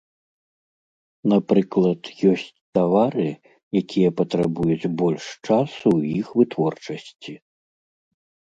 Напрыклад, ёсць тавары, якія патрабуюць больш часу ў іх вытворчасці.